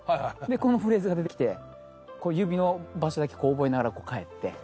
このフレーズが出てきて指の場所だけ覚えながら帰って。